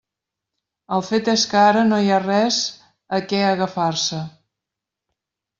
El fet és que ara no hi ha res a què agafar-se.